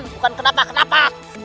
bukan kenapa kenapa